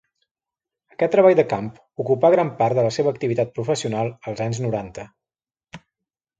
Aquest treball de camp ocupà gran part de la seva activitat professional als anys noranta.